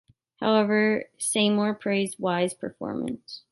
However, Seymour praised Wise's performance.